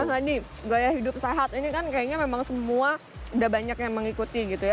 mas andi gaya hidup sehat ini kan kayaknya memang semua udah banyak yang mengikuti gitu ya